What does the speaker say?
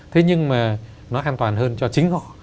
thế nhưng mà nó an toàn hơn cho chính họ